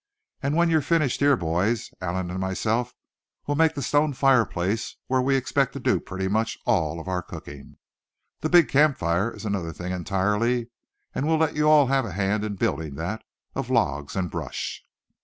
And while you're finishing here, boys, Allan and myself will make the stone fireplace where we expect to do pretty much all our cooking. The big camp fire is another thing entirely, and we'll let you all have a hand in building that of logs and brush."